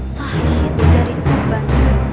sahid dari tupan